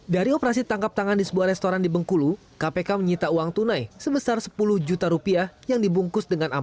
dari operasi tangkap tangan di sebuah restoran di bengkulu kpk menyita uang tunai sebesar sepuluh juta rupiah yang dibungkus dengan aplikasi